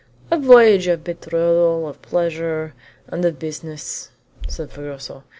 "A voyage of betrothal, of pleasure, and of business!" said Fragoso.